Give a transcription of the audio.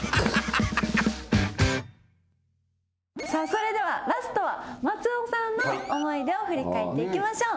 それではラストは松尾さんの思い出を振り返っていきましょう。